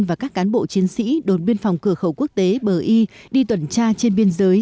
và các cán bộ chiến sĩ đồn biên phòng cửa khẩu quốc tế bờ y đi tuần tra trên biên giới